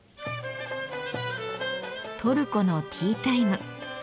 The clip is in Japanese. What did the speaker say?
トルコのティータイム。